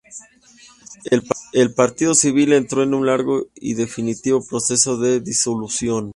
El Partido Civil entró en un largo y definitivo proceso de disolución.